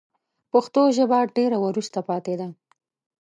پښتو ژبه ډېره وروسته پاته ده